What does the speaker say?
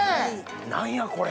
何やこれ。